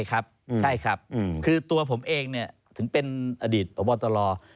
ใช่ครับคือตัวผมเองถึงเป็นอดีตพบตร